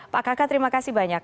pak kakak terima kasih banyak